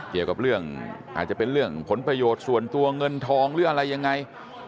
เกี่ยวกับเรื่องอาจจะเป็นเรื่องผลประโยชน์ส่วนตัวเงินทองหรืออะไรยังไง